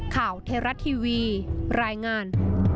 ข่าวเทราะทีวีรายงาน